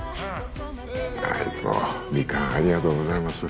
いつもミカンありがとうございます